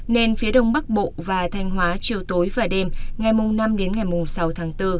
nên phía đông bắc bộ và thanh hóa chiều tối và đêm ngày năm đến ngày sáu tháng bốn